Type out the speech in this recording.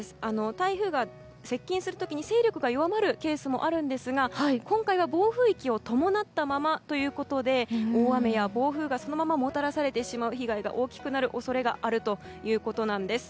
台風が接近する時に勢力が弱まるケースもあるんですが今回は暴風域を伴ったままということで大雨や暴風がそのままもたらされてしまう被害が大きくなる恐れがあるということです。